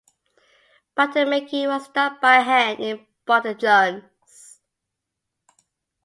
Buttermaking was done by hand in butter churns.